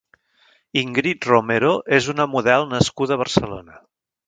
Ingrid Romero és una model nascuda a Barcelona.